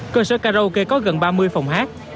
cơ sở karaoke có gần ba mươi phòng hát